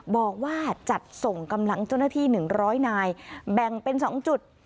บอกว่าจัดส่งกำลังเจ้าหน้าที่หนึ่งร้อยนายแบ่งเป็นสองจุด